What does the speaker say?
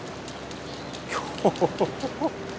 今日。